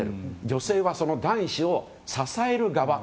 女性はその男子を支える側。